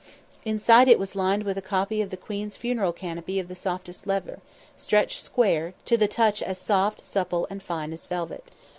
Inside it was lined with a copy of the queen's funeral canopy of softest leather; stretched square; to the touch as soft, supple and fine as velvet.